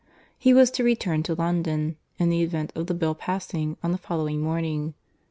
He was to return to London, in the event of the Bill passing, on the following morning.